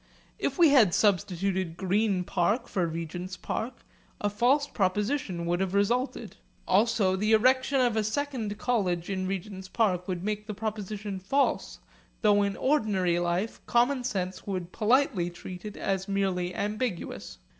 If we had substituted 'Green Park' for 'Regent's Park' a false proposition would have resulted. Also the erection of a second college in Regent's Park would make the proposition false, though in ordinary life common sense would politely treat it as merely ambiguous.